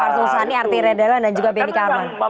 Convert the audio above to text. artus usani arti reda dan juga bnk arman